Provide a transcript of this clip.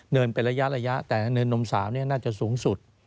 เป็นระยะแต่เนินนมสาวนี่น่าจะสูงสุด